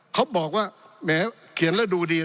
เขาบอกว่าแหมเขียนแล้วดูดี